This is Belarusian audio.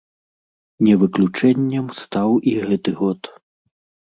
Не выключэннем стаў і гэты год.